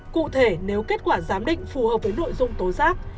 cụ thể nếu kết quả giám định phù hợp với nội dung tố giác